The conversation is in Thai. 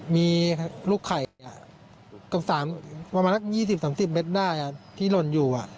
มีลูกไข่กว่า๒๐๓๐เมตรได้ที่หล่นอยู่